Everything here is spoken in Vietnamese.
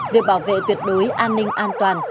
việc bảo vệ tuyệt đối an ninh an toàn